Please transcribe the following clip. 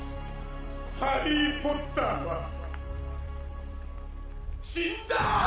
ハリー・ポッターは死んだ！